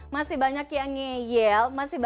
masih banyak yang ngeyel